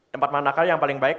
tempat manakah yang paling baik